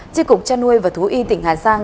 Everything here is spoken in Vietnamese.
chiếc cục cha nuôi và thú y tỉnh hà giang